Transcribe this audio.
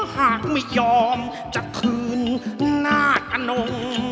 หากไม่ยอมจะคืนหน้ากระนง